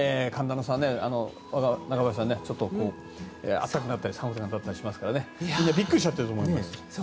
やっぱり中林さん暖かくなったり寒くなったりしますからみんなびっくりしてると思います。